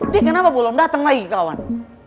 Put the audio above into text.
dia kenapa belum dateng lagi kawan